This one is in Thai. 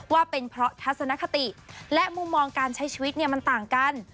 ว่าเป็นเพราะทัศนคติและมุมมองการใช้ชีวิตเนี่ยมันต่างกัน